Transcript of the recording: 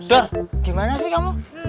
dik dar gimana sih kamu